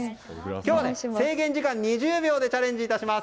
今日は制限時間２０秒でチャレンジいたします。